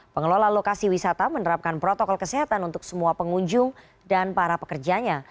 pengelola lokasi wisata menerapkan protokol kesehatan untuk semua pengunjung dan para pekerjanya